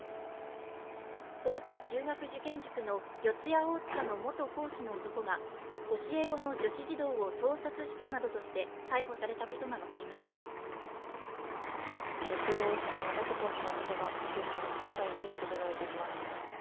大手中学受験塾の四谷大塚の元講師の男が教え子の女子児童を盗撮したなどとして逮捕されたことが分かりました四谷大塚の元講師の男が警視庁の捜査員に連れられていきます